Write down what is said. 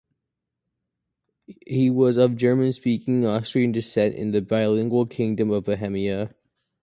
He was of German-speaking Austrian descent in the bilingual Kingdom of Bohemia.